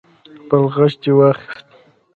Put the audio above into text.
خپل غچ دې واخست.